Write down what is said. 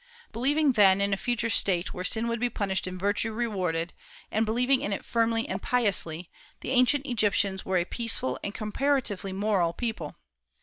Believing then in a future state, where sin would be punished and virtue rewarded, and believing in it firmly and piously, the ancient Egyptians were a peaceful and comparatively moral people.